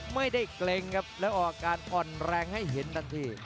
เกร็งครับแล้วออกอาการอ่อนแรงให้เห็นทันที